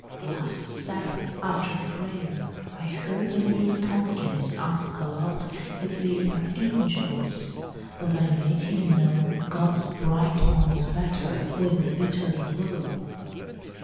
last Sabbath after pray'r, I heard the little Tomkins ask aloud If they were angels but I made him know God's bright ones better, with a bitter blow!"